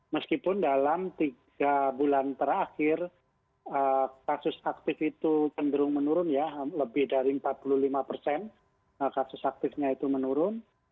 meskipun dalam tiga bulan terakhir kasus aktif itu cenderung menurun ya lebih dari empat puluh lima persen kasus aktifnya itu menurun